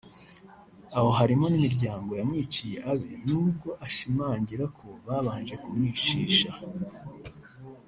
aho harimo n’imiryango yamwiciye abe nubwo ashimangira ko babanje kumwishisha